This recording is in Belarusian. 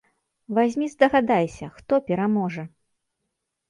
Вазьмі здагадайся, хто пераможа?